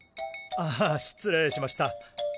あ失礼しました。